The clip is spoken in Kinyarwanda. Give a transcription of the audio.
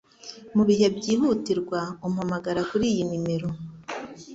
Mugihe byihutirwa, umpamagara kuri iyi nimero.